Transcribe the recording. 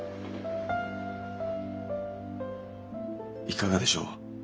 いかがでしょう？